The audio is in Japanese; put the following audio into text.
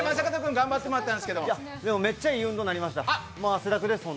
めっちゃいい運動になりました、汗だくです。